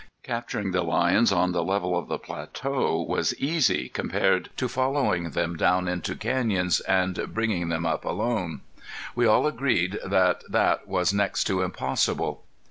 Capturing the lions on the level of the plateau was easy compared to following them down into canyons and bringing them up alone. We all agreed that that was next to impossible.